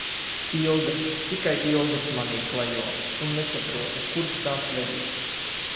Ilgas, tikai ilgas manī klejo un nesaprotu, kurp tās vedīs.